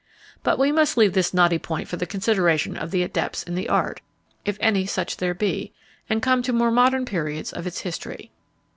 But we must leave this knotty point for the consideration of the adepts in the art, if any such there be, and come to more modern periods of its history.